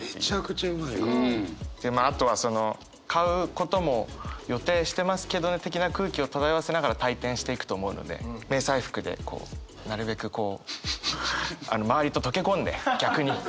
あとは買うことも予定してますけどね的な空気を漂わせながら退店していくと思うので迷彩服でこうなるべくこう周りと溶け込んで逆に。